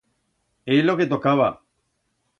É lo que tocaba.